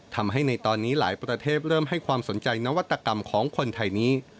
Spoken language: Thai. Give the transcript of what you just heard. ทำให้ในตอนนี้หลายประเทศเริ่มให้ความสนใจนวัตกรรมของคนไทยนี้